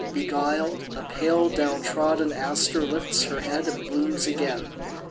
Beguiled, the pale down trodden aster lifts Her head and blooms again.